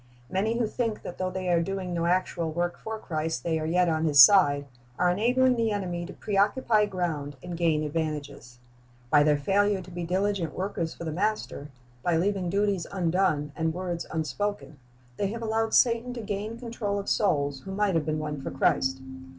Many who think that though they are doing no actual work for Christ, they are yet on His side, are enabling the enemy to pre occupy ground and gain advantages. By their failure to be diligent w^orkers for the Master, by leaving duties undone and words unspoken, they have allowed Satan to gain control of souls who might have been won for Christ.